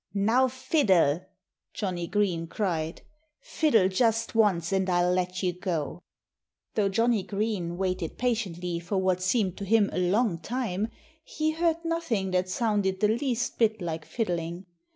"Now, fiddle!" Johnnie Green cried. "Fiddle just once and I'll let you go." Though Johnnie Green waited patiently for what seemed to him a long time, he heard nothing that sounded the least bit like fiddling.